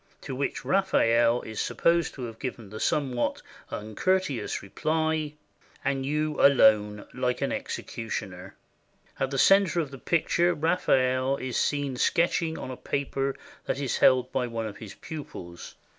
To which Raphael is supposed to have given the somewhat uncourteous reply, "And you alone, like an executioner." In the center of the picture Raphael is seen sketching on a paper that is held by one of his pupils.